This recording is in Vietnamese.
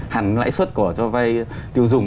hẳn lãi suất của cho vay tiêu dùng